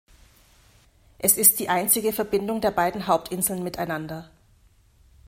Es ist die einzige Verbindung der beiden Hauptinseln miteinander.